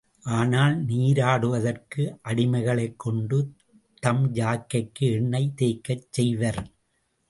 ஆனால், நீராடுவதற்கு அடிமைகளைக் கொண்டு தம் யாக்கைக்கு எண்ணெய் தேய்க்கச் செய்வர்.